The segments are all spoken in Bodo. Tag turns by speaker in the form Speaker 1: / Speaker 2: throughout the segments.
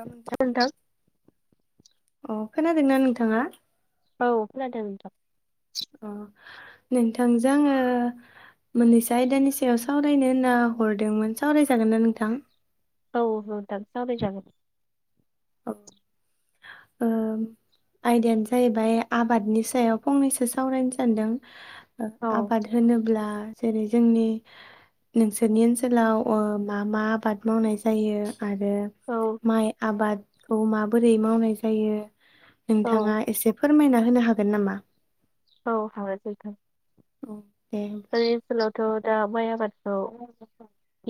Speaker 1: [unintelligible] नोंथां।
Speaker 2: अ खोनादोंना नोंथाङा?
Speaker 1: औ खोनादों नोंथां।
Speaker 2: अ नोंथांजों आङो मोननैसो आयदानि सायाव सावरायनो होनना हरदोंमोन सावरायजागोन ना नोंथां?
Speaker 1: औ नोंथां सावरायजागोन।
Speaker 2: ओ आयदायानो जाहैबाय आबादनि सायाव फंनैसो सावरायनो सानदों। ओ
Speaker 1: औ
Speaker 2: आबाद होनोब्ला जेरै जोंनि नोंसोरनि ओनसोलाव ओ मा मा आबाद मावनाय जायो? आरो
Speaker 1: औ
Speaker 2: माइ आबाद। औ माबोरै मावनाय जायो?
Speaker 1: औ
Speaker 2: नोंथाङा एसेफोर फोरमायना होनो हागोन नामा?
Speaker 1: ओ [unintelligible]
Speaker 2: औ। दे होमब्ला
Speaker 1: [unintelligible] थ दा माइ आबादखौ।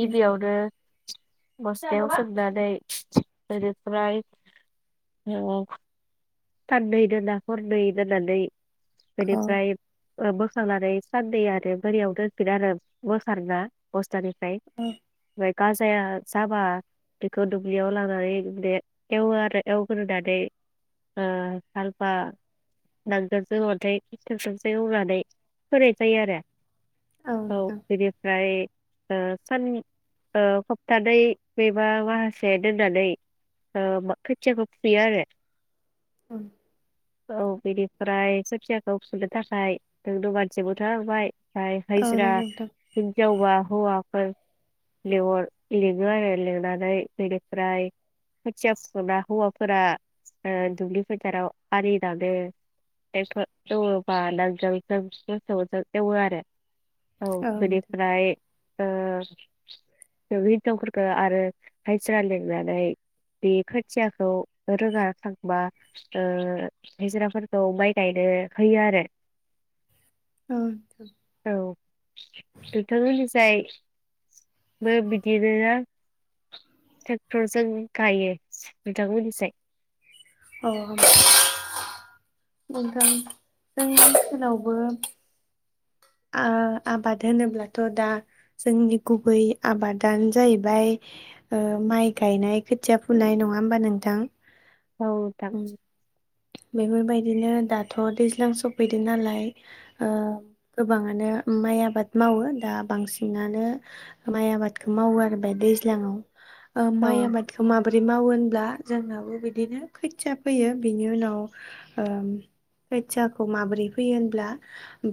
Speaker 1: गिबियावनो‌। बसतायाव सोमनानै बेनिफ्राइ ओ सानै दोना हरनै दोननानैै।
Speaker 2: औ
Speaker 1: बेनिफ्राय। ओ बोखांनानै सानै आरो बोरियाव दोनगोन आरो बोखारना बस बसथानिफ्राय
Speaker 2: औ
Speaker 1: ओमफ्राय गाजाया जाबा बेखौ दुब्लियाव लांनानै बे एवो आरो एवग्रोनानै। ओ सानफा नांगोलजों अन्थाइ ट्रेकटरजों एवनानै फोनाय जायो आरो। औ बेनिफ्राय ओ सान ओ खपतानै बेबा माहासे दोननानै ओम खोथियाखौ फुयो आरो।
Speaker 2: ओं।
Speaker 1: औ बिनिफ्राय खोथियाखौ फुनो थाखाय नोंनो मानसिबोथ नांबाय। ओमफ्राय
Speaker 2: औ
Speaker 1: हायज्रा
Speaker 2: नंगौ नोंथां
Speaker 1: हिनजाव बा हौवाफोर लिंहर लिंङो आरो लिंनानै बेनिफ्राय खोथिया फुखांना हौवाफोरा ओ दुब्लि फोथाराव। आलि दानो ट्रेक्टर दंङब नांगोलजों मोसौजों एवो आरो। औ बेनिफ्राय ओ हिनजावफोरखो आरो हायज्रा लिंनानै बे खोथियाखौ रोगा होखांबा ओ हाजिराफोरखौ माइ गायनो होयो आरो। औ नोंथांमोननि [unintelligible] बो बिदिनो ट्रेक्टरजों गायो नोंथांमोननिसाय।
Speaker 2: अ [unintelligible] [unintelligible] आ आबाद होनोब्लाथ दा जोंनि गुबै आबादानो जाहैबाय ओ माइ गायनाय खोथिया फुनाय नङा होमबा नोंथां?
Speaker 1: औ नोंथां।
Speaker 2: उम बेफोरबायदिनो दाथ' दैज्लां सफैदों नालाय ओ गोबाङानो माइ आबाद मावो दा बांसिनानो माइ आबादखौ मावो आरो बे दैज्लाङाव। ओ माइ
Speaker 1: औ
Speaker 2: आबादखौ माबोरै मावो होनब्ला जोंनावो बिदिनो खोथिया फोयो बिनि उनाव ओ खोथियाखौ माबोरै फैयो होनब्ला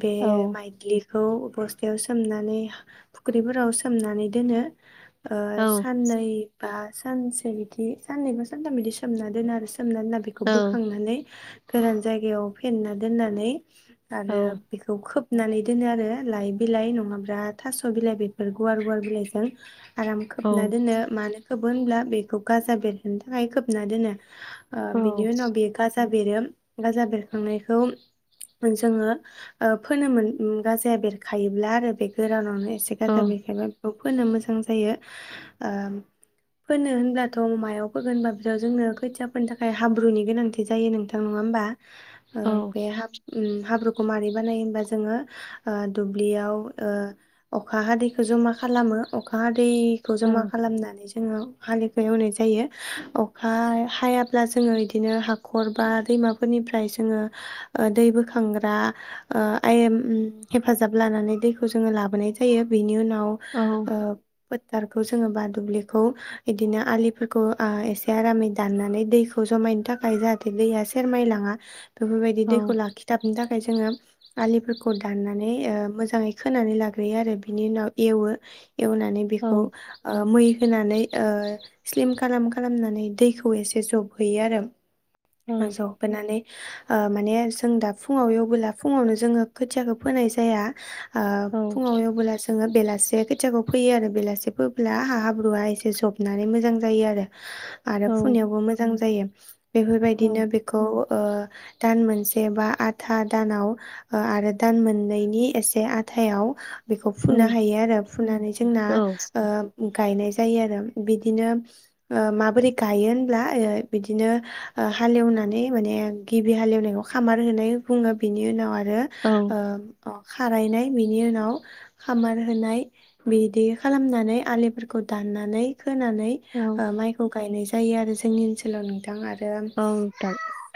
Speaker 2: बे
Speaker 1: औ
Speaker 2: माइदलिखौ बस्थायाव सोमनानै फुख्रिफोराव सोमनानै दोनो। ओ
Speaker 1: औ
Speaker 2: साननै बा सानसे बिदि साननैखौ सानथाम बिदि सोमना दोन आरो सोमनानै
Speaker 1: औ
Speaker 2: बोखांनानै गोरान जायगायाव फेना दोननानै आरो
Speaker 1: औ
Speaker 2: बेखौ खोब खोबनानै दोनो आरो लाइ बिलाइ नङाब्ला थास' बिलाइ बेफोर गुवार गुवार बिलाइजों। आराम
Speaker 1: औ
Speaker 2: खोबना दोनो मानो खोबो होनब्ला बेखौ गाजा बेरहोनो थाखाय खोबना दोनो।
Speaker 1: औ
Speaker 2: बिनि उनाव बे गाजा बेरो गाजा बेरखांनायखौ जोङो फोनो मोन गाजा बेरखायोब्ला आरो बे गोरानाव एसे
Speaker 1: औ
Speaker 2: गाजा बेरखायोब्ला बेखौ फोनो मोजां जायो ओ फोनो होनब्लाथ मायाव फोगोन होनबा बेयाव जोंनो खोथियाफोनो थाखाय ओमफ्राय हाब्रुनि गोनांथि जायो नोंथां नङा होमबा। ओ
Speaker 1: औ
Speaker 2: बे हाब हाब्रु खौ मारै बानायो होनबा जोङो ओ दुब्लियाव ओ अखा हादैखौ जमा खालामो अखा‌ हादै दैखौ जमा खालामनानै जोङो हालिवनाय एवनाय जा जायो अखा हाया ब्ला जोङो बिदिनो हाखर बा दैमाफोरनिफ्राय जोङो दै बोखांग्रा ओ आयेम उम हेफाजाब लानानै दैखौ जोङो लाबोनाय जायो बेनि उनाव
Speaker 1: औ
Speaker 2: ओ फोथार खौ बा जोङो दुब्लिखौ इदिनो आलिफोरखौ एसे आरामै दाननानै दै खौ जमायनो थाखाय जाहाथे दैया सेरमाय लाङा। बेफोरबायदि दैखौ लाखिथाबनो थाखाय जोङो आलिफोरखौ दाननानै मोजाङै खोनानै लाग्रोयो आरो बिनि उनाव एवो। एवनानै बेखौ मै होनानै ओ स्लिम खालाम खामाम खालामनानै दैखौ एसे जब हैयो आरोम मोजौ फोनानै ओ माने जों दा फुङाव एवबोला फुङावनो जोङो खोथियाखौ फोनाय जाया ओ फुङाव एवबोला जोङो बेला से खोथियाखौ फैयो आरो बेलासे फैब्ला हा हाब्रुवआ एसे जबनानै मोजां जायो आरो आरो
Speaker 1: औ
Speaker 2: फुनायावबो मोज नुजायो बेफोरबायदिनो
Speaker 1: औ
Speaker 2: बेखौ ओ दान मोनसे बा आथा दानाव ओ आरो दान मोननैनि एसे आथायाव बेखौ
Speaker 1: औ
Speaker 2: फुनो हायो आरो फुनानै जोंना
Speaker 1: औ
Speaker 2: ओ गायनाय जायो आरो बिदिनो ओ माबोरै गायोन ओयै बिदिनो ओ हालेवनानै माने गिबि हालेवनायखौ खामार होनै बुङो बेनि उनाव आरो
Speaker 1: औ
Speaker 2: आरो ओम अ खारायनाय बिनि उनाव खामार होनाय बिदि खालामनानै आलिफोरखौ दाननानै होनानै
Speaker 1: औ
Speaker 2: ओ माइखौ गायनाय जा जायो आरो जोंनि ओनसोलाव नोंथां आरो
Speaker 1: औ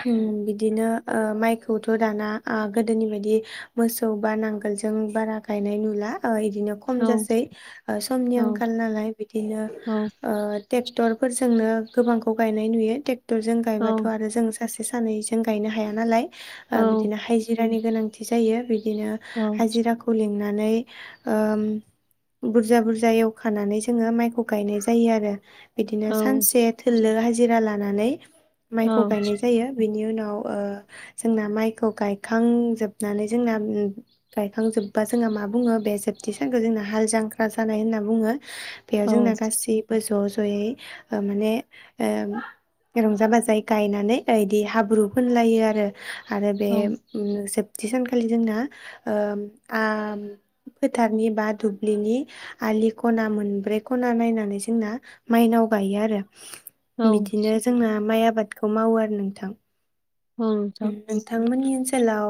Speaker 2: [unintelligible] बिदिनो ओ माइखौथ दाना ओ गोदोनि बायदि मोसौ बा नांगोलजों बारा गायनाय नुला ओ बिदिनो खम
Speaker 1: नोंथां
Speaker 2: जासै समनि
Speaker 1: औ
Speaker 2: आंखाल नालाय बिदिनो
Speaker 1: औ
Speaker 2: ओ टेक्टरफोरजोंनो गोबां खौ गायनाय नुयो टेक थजों गायबाथ
Speaker 1: औ
Speaker 2: आरो जों सासे सानैजों गायनो हाया नालाय ओ
Speaker 1: औ
Speaker 2: बिदिनो हायजो बेनि गोनांथि जायो बि बिदिनो
Speaker 1: औ
Speaker 2: हाजिराखौ लिं बुनानै ओ बुरजा बुरजा एवखानानै जोङो माइखौ गायनाय जायो आरो बिदिनो सानसेट लो हाजिरा लानानै माइखौ गायनाय जायो बेनि उनाव ओ जोंना माइखौ गायखांजोबनानै जोंना ओ गायखांजोबबा जोंहा मा बुङो बे जोबथि सानखौ जोंना हाल जांख्रा जानाय होनना बुङो। बेयाव
Speaker 1: औ
Speaker 2: जोंना गासैबो ज ज ओ माने ओ रंजा बाजायै गायनानै बायदि हाब्रु फोनलायो आरो आरो बे
Speaker 1: औ
Speaker 2: जे सानखालि जोंना ओ आ फोथारनि बा दुब्लिनि आलि खना मोनब्रै खना नायनानै जोंना माइनाव गायो आरो बिदिनो जोंना माइ आबाद आबादखौ मावो आरो नोंथां।
Speaker 1: नोंथां
Speaker 2: नोंथांमोननि ओनसोलाव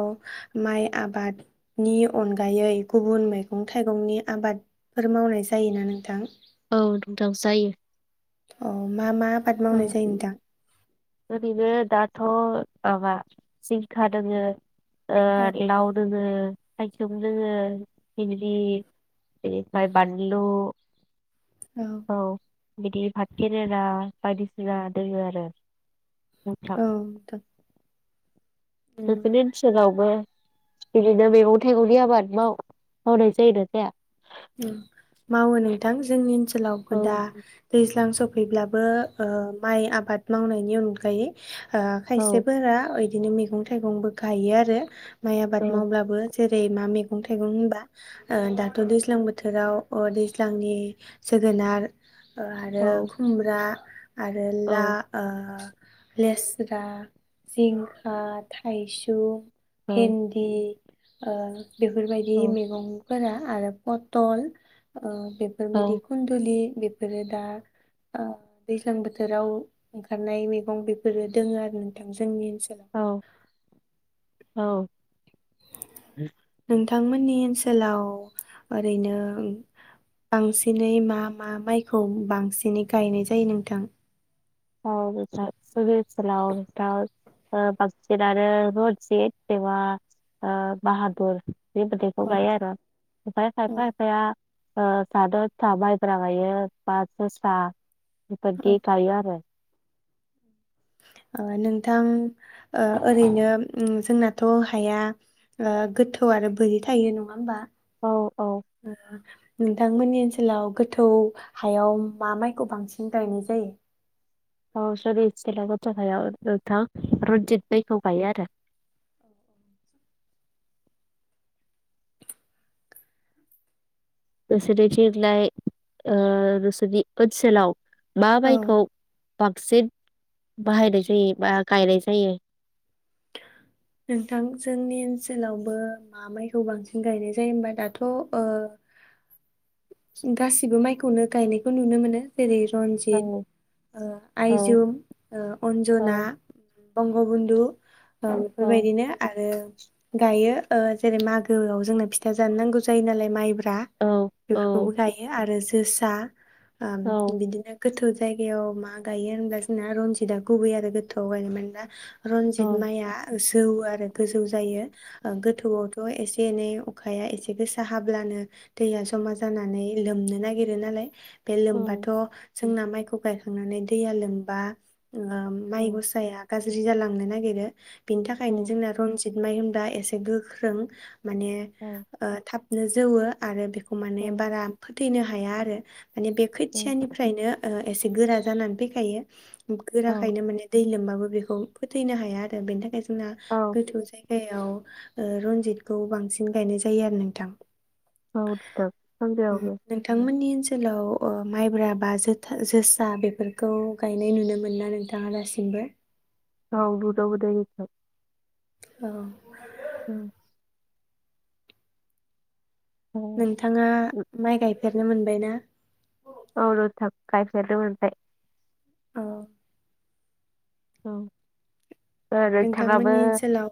Speaker 2: माइ आबाद नि अनगायै गुबुन मैगं थाइगंनि आबाद फोर मावनाय जायो ना नोंथां?
Speaker 1: औ नोंथां जायो।
Speaker 2: अ मा मा आबाद
Speaker 1: औ
Speaker 2: मावनाय जायो नोंथां
Speaker 1: ओरैनो दाथ माबा जिंखा दोङो ओ
Speaker 2: औ
Speaker 1: लाव दोङो थाइसुम दोङो भिन्दि बेनिफ्राय बानलु औ बिदि भात खेरेला बायदिसिना दोङो आरो नोंथां
Speaker 2: नोंथां उम
Speaker 1: नोंसोरनि ओनसोलावबो बिदिनो मैगं थाइगंनि आबाद माव मावनाय जायोना जाया?
Speaker 2: ओं मावो नोंथां जोंनि ओनसोल
Speaker 1: औ
Speaker 2: [unintelligible] दैज्लां स फैब्लाबो ओ माइ आबाद मावनायनि अनगायै ओ
Speaker 1: औ
Speaker 2: खायसेफोरा बिदिनो मैगं थाइगंबो गायो आरो माइ आबाद
Speaker 1: औ
Speaker 2: मावब्लाबो जेरै मा मैगं थाइगं होनबा ओ दाथ दैज्लां दैज्लां बोथोराव अ दैज्लांनि जोगोनार ओ आरो
Speaker 1: औ
Speaker 2: खुमब्रा आरो ला
Speaker 1: औ
Speaker 2: ओ लेस्रा, जिंखा, थाइसुम
Speaker 1: औ
Speaker 2: भिन्दि ओं बेफोरबायदि
Speaker 1: औ
Speaker 2: मेगं [unintelligible] पतल ओ बेफोर बायदि
Speaker 1: औ
Speaker 2: खुन्दुलि रोदा ओ दैज्लां बोथोराव ओंखारनाय मेगं बेफोरनो दोङो आरो नोंथां जोंनि ओनसोलाव।
Speaker 1: औ औ बे
Speaker 2: नोंथांमोननि ओनसोलाव ओरैनो बांसिनै मा मा माइखौ बांसिनै गायनाय जायो नोंथां
Speaker 1: [unintelligible] [unintelligible] बांसिनानो आरो रजित एबा बाहादुर बे गोदैखौ
Speaker 2: औ
Speaker 1: गायो आरो खायफा
Speaker 2: औ
Speaker 1: खायफाया साद सा माइब्रा मायो बास' सा
Speaker 2: औ
Speaker 1: बेफोरदि गायो आरो
Speaker 2: ओ नोंथां ओ ओरैनो उम जोंनाथ' हाया ओह गोथौ आरो बोरि थायो नङा होमबा
Speaker 1: औ औ
Speaker 2: [unintelligible] नोंथांमोननि ओनसोलाव गोथौ हायाव मा माइखौ बांसिन गायनाय जायो?
Speaker 1: औ नोंथां रनजित माइखौ गायो आरो नोंसोरनिथिंलाय ओ नोंसोरनि ओनसोलाव मा
Speaker 2: औ
Speaker 1: मायखौ बांसिन बाहायनाय जायो बा गायनाय जायो?
Speaker 2: नोंथां जोंनि ओनसोलावबो मा माइखौ बांसिन गायनाय जायो होनबा दाथ' ओह गासिबो माइखौनो गायनायखौ नुनो मोनो जेरै
Speaker 1: औ
Speaker 2: रन्जित
Speaker 1: औ
Speaker 2: आइजुम अन्जना
Speaker 1: औ
Speaker 2: बंग'बन्धू ओं
Speaker 1: औ
Speaker 2: बेबायदिनो आरो गायो ओ जेरै मागोआव जोंनो फिथा जानो नांगौ जायो नालाय माइब्रा ब्रा
Speaker 1: औ औ
Speaker 2: बेफोरखौबो गायो आरो जोसा आ
Speaker 1: औ
Speaker 2: बिदिनो गोथौ जायगायाव मा गायो होनब्ला जोंना रनजिता गुबै आरो गोथौआव गायनो मानोना
Speaker 1: औ
Speaker 2: रनजित माइआ गोजौ आरो गोजौ जायो एह गोथौआवथ' एसे एनै अखाया एसे गोसा हाब्लानो दैया जमा जानानै लोमनो नागिरो नालाय बे लोमबाथ' जोंना माइखौ गायखांनानै दैया लोमबा ओ माइ गसाया गाज्रि जालांनो नागिरो बेनि
Speaker 1: औ
Speaker 2: थाखायनो जोंना रन्जित माइ होनदा एसे गोख्रों माने ओ थाब जौवो आरो बे माने बारा थैनो हाया आरो माने बे
Speaker 1: औ
Speaker 2: खोथियानिफ्रायनो ओ एसे गोरा जानानै फैखायो
Speaker 1: औ
Speaker 2: गोराखायनो माने दै लोमबाब बेखौ फोथैनो हाया आरो बेनि थाखाय जोंना
Speaker 1: औ
Speaker 2: गोथौ जायगायाव ओ रनजितखौ बांसिन गायनाय जायो आरो नोंथां उम नोंथांमोननि
Speaker 1: [unintelligible]
Speaker 2: ओनसोलाव माइब्रा बा जोथा जोसा बेफोरखौ गायनाय नुनो मोनो ना नोंथाङा दासिमबो
Speaker 1: औ गोद गोदायनिफ्राय
Speaker 2: औ
Speaker 1: औ औ
Speaker 2: नोंथाङा माइ गाय गायफेरनो मोनबाय ना
Speaker 1: औ नोंथां गायफेरनो मोनबाय
Speaker 2: औ
Speaker 1: औ ओ नोंथाङाबो
Speaker 2: नोंथांमोननि ओनसोलाव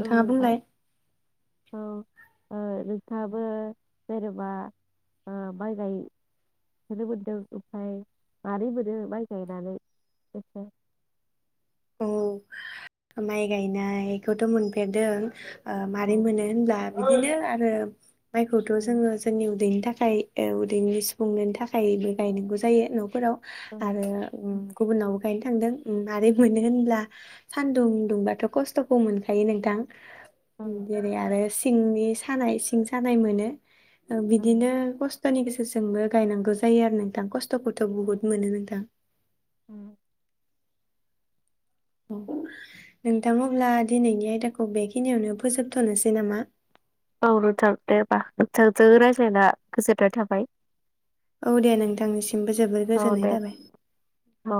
Speaker 1: औ नोंथां
Speaker 2: बुंलाय
Speaker 1: औ नोंथाङाबो जेनेबा माइ गायफेरनो मोनदों ओमफ्राय मारै मोनो माइ गायनानै
Speaker 2: औ माइ गायनायखौथ मोनफेरदों ओ
Speaker 1: औ
Speaker 2: माबारै मोनो होनब्ला बिदिनो आरो माइखौथ
Speaker 1: औ
Speaker 2: जोङो जोंनि उदैनि थाखाय उदैनि सुफुं थाखायबो गायनांगौ जायो नफोराव
Speaker 1: औ
Speaker 2: आरो उम गुबुनावबो गायनो थांदों आरो मोनो होनब्ला सानदुं दुंबाथ खस्थखौ मोनखायो नोंथां
Speaker 1: औ
Speaker 2: जेरो आरो सि सिंनि सानाय सिं सानाय मोनो
Speaker 1: औ
Speaker 2: बिदिनो खस्थ खस्थनि गेजेरजोंबो गायनांगौ जायो आरो नोंथां खस्थ खस्थखौ थ बुहुत मोनो नोंथां
Speaker 1: उम्म
Speaker 2: नोंथां अब्ला दिनैनि आयदाखौ बेखिनियावनो फोजोबथनोसै नामा?
Speaker 1: औ नोंथां दे होबा नोंथांजों रायज्लायना गोजोननाय थाबाय।
Speaker 2: औ दे नोंथांनिसिमबो जोबोर
Speaker 1: औ
Speaker 2: गोजोननाय
Speaker 1: दे
Speaker 2: थाबाय।
Speaker 1: औ